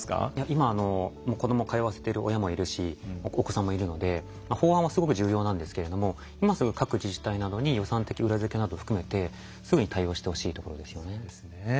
今子どもを通わせている親もいるしお子さんもいるので法案はすごく重要なんですけれども今すぐ各自治体などに予算的裏付けなどを含めてすぐに対応してほしいところですよね。